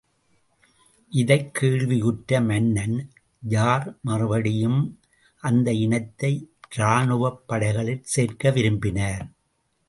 இதைக் கேள்வியுற்ற மன்னன் ஜார், மறுபடியும் அந்த இனத்தை இராணுவப் படைகளில் சேர்க்க விரும்பினார்.